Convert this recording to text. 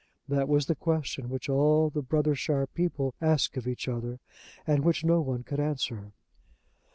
That was the question which all the Brothershire people asked of each other, and which no one could answer.